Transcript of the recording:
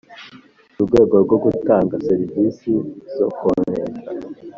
urwego rwo gutanga serivisi zo kohereza